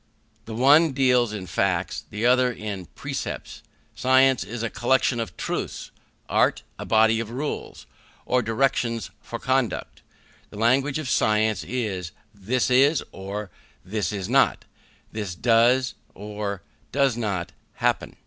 The one deals in facts, the other in precepts. Science is a collection of truths; art, a body of rules, or directions for conduct. The language of science is, This is, or, This is not; This does, or does not, happen.